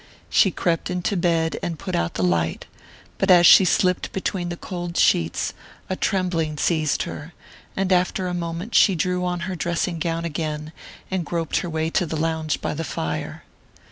She crept into bed and put out the light; but as she slipped between the cold sheets a trembling seized her, and after a moment she drew on her dressing gown again and groped her way to the lounge by the fire.